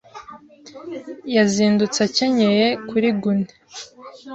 yazindutse akenyeye kuri gurney.